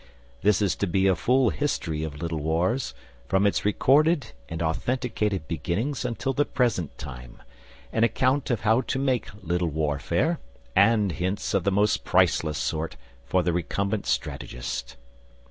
This is to be a full History of Little Wars from its recorded and authenticated beginning until the present time, an account of how to make little warfare, and hints of the most priceless sort for the recumbent strategist....